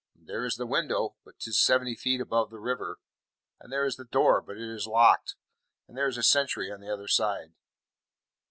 There is the window, but 'tis seventy feet above the river; and there is the door, but it is locked, and there is a sentry on the other side."